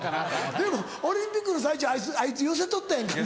でもオリンピックの最中あいつ寄せとったやん。